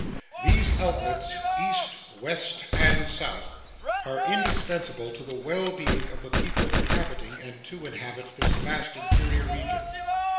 These outlets, east, west, and south, are indispensable to the well being of the people inhabiting and to inhabit this vast interior region.